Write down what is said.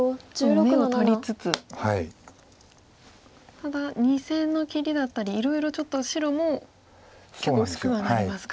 ただ２線の切りだったりいろいろちょっと白も結構薄くはなりますか。